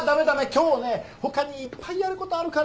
今日ね他にいっぱいやる事あるから。